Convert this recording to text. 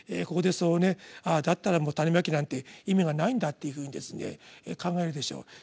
ここで「ああだったらもう種蒔きなんて意味がないんだ」っていうふうに考えるでしょう。